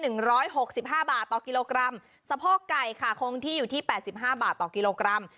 หนึ่งร้อยหกสิบห้าบาทต่อกิโลกรัมสะโพกไก่ค่ะคงที่อยู่ที่แปดสิบห้าบาทต่อกิโลกรัม